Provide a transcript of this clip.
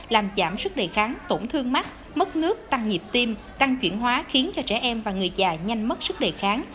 làm giảm sức đề kháng tổn thương mắt mất nước tăng nhịp tim tăng chuyển hóa khiến cho trẻ em và người già nhanh mất sức đề kháng